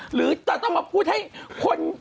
หรือจะต้องมาพูดให้คน